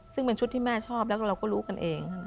ซึ่งเป็นชุดที่แม่ชอบแล้วก็เราก็รู้กันเอง